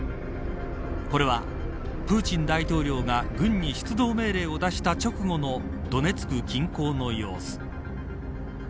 これはプーチン大統領が軍に出動命令を出した直後のドネツク近郊の様子。